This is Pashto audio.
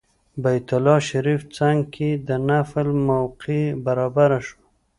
بیت الله شریف څنګ کې د نفل موقع برابره شوه.